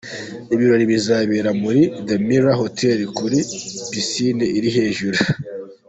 Ibi birori bizabera muri The Mirror Hotel kuri Pisine iri hejuru.